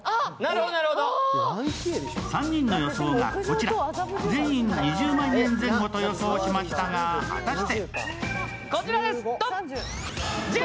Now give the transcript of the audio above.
３人の予想がこちら、全員２０万円前後と予想しましたが果たして。